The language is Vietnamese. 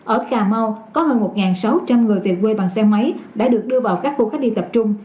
ở cà mau có hơn một sáu trăm linh người về quê bằng xe máy đã được đưa vào các khu cách ly tập trung